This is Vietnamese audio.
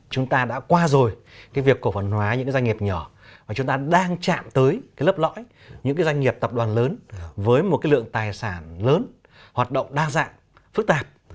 chúng ta đã qua rồi việc cổ phần hóa những doanh nghiệp nhỏ và chúng ta đang chạm tới lớp lõi những doanh nghiệp tập đoàn lớn với một lượng tài sản lớn hoạt động đa dạng phức tạp